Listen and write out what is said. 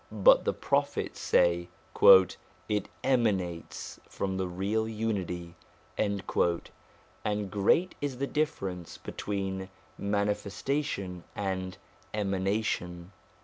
But the Prophets say ' it emanates from the Real Unity '; and great is the difference between manifestation and emanation.